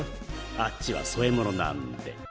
あっちは添え物なんで。